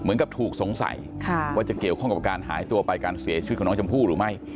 เหมือนกับถูกสงสัยว่าจะเกี่ยวข้องกับการหายตัวไปการเสียชีวิตของน้องชมพู่หรือไม่